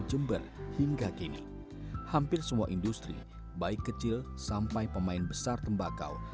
jembatan okei mukabara